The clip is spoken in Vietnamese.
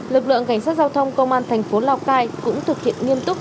lực lượng cảnh sát giao thông công an thành phố lào cai cũng thực hiện nghiêm túc